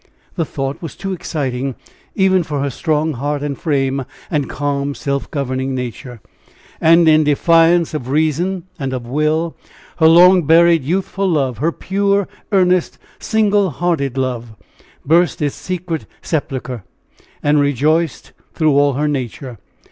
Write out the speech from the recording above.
The thought was too exciting even for her strong heart and frame and calm, self governing nature! And in defiance of reason and of will, her long buried youthful love, her pure, earnest, single hearted love, burst its secret sepulchre, and rejoiced through all her nature.